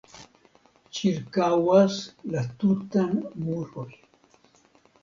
Ĉirkaŭas la tutan muroj.